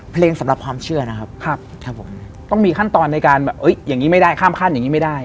สำหรับความเชื่อนะครับครับผมต้องมีขั้นตอนในการแบบอย่างนี้ไม่ได้ข้ามขั้นอย่างนี้ไม่ได้